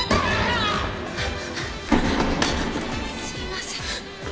あっすいません。